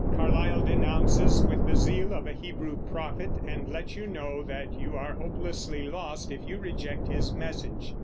Carlyle denounces with the zeal of a Hebrew prophet, and lets you know that you are hopelessly lost if you reject his message.